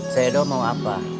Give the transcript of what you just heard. seedoh mau apa